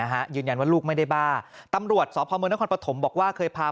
ยืนยันว่าลูกไม่ได้บ้าตำรวจสพมนครปฐมบอกว่าเคยพา